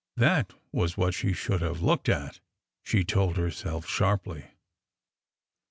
That was what she should have looked at, she told herself sharply.